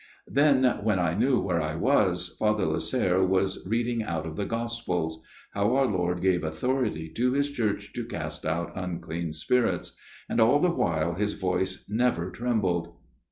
" Then when I knew where I was, Father Lasserre was reading out of the Gospels ; how our Lord gave authority to His Church to cast out unclean spirits ; and all the while his voice never trembled."